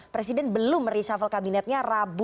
presiden belum reshuffle kabinetnya rata